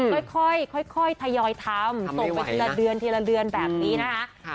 ค่อยทยอยทำส่งไปทีละเดือนทีละเดือนแบบนี้นะคะ